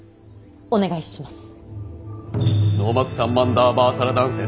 お願いします。